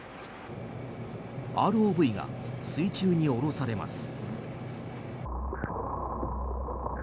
ＲＯＶが水中に降ろされます。